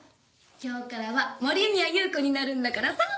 今日からは森宮優子になるんだからさ。